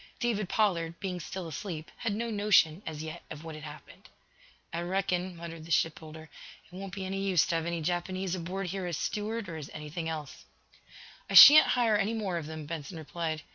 David Pollard, being still asleep, had no notion, as yet, of what had happened. "I reckon," muttered the shipbuilder, "It won't be any use to have any Japanese aboard here as steward, or as anything else." "I shan't hire any more of them," Benson replied.